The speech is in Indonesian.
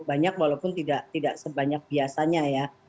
banyak walaupun tidak sebanyak biasanya ya